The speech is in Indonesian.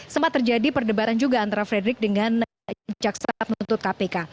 sempat terjadi perdebatan juga antara frederick dengan jaksa penuntut kpk